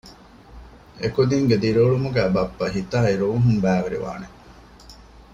އެކުދީންގެ ދިރިއުޅުމުގައި ބައްޕަ ހިތާއި ރޫހުން ބައިވެރިވާނެ